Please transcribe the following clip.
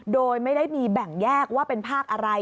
โดยไม่ได้มีแบ่งแยกว่าเป็นภาคอะไร